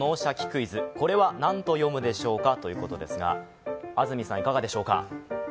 クイズ」、これは何と読むでしょうかということでずか、安住さんいかがでしょうか。